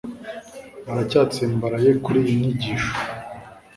Baracyatsimbaraye kuri iyi nyigisho